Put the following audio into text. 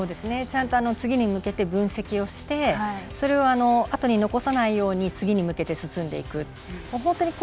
ちゃんと次に向けて分析をしてそれをあとに残さないように次に向けて進んでいくと。